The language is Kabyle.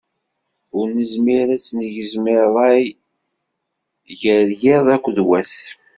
Ur nezmir ad tt-negzem i rray gar yiḍ akked wass.